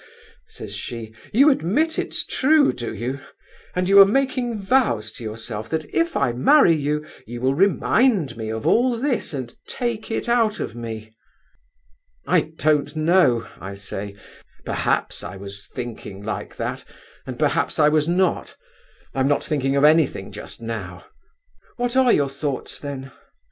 says she, 'you admit it's true, do you? And you are making vows to yourself that if I marry you, you will remind me of all this, and take it out of me.' 'I don't know,' I say, 'perhaps I was thinking like that, and perhaps I was not. I'm not thinking of anything just now.' 'What are your thoughts, then?